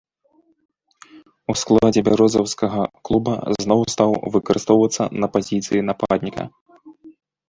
У складзе бярозаўскага клуба зноў стаў выкарыстоўвацца на пазіцыі нападніка.